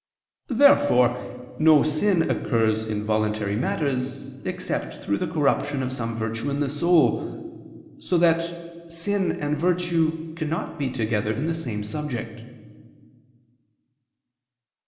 Therefore no sin occurs in voluntary matters, except through the corruption of some virtue in the soul: so that sin and virtue cannot be together in the same subject.